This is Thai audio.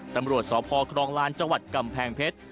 ตำรวจสพครองลานจังหวัดกำแพงเพชร